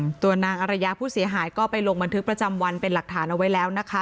ตัวนางอรยาผู้เสียหายก็ไปลงบันทึกประจำวันเป็นหลักฐานเอาไว้แล้วนะคะ